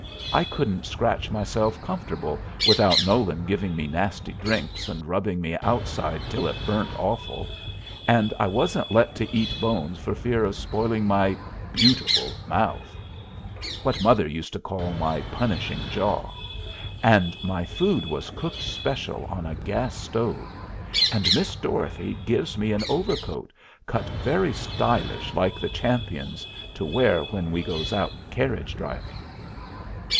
I couldn't scratch myself comfortable, without Nolan giving me nasty drinks, and rubbing me outside till it burnt awful; and I wasn't let to eat bones for fear of spoiling my "beautiful" mouth, what mother used to call my "punishing jaw"; and my food was cooked special on a gas stove; and Miss Dorothy gives me an overcoat, cut very stylish like the champions', to wear when we goes out carriage driving.